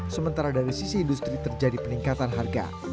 sementara dari sisi industri terjadi peningkatan harga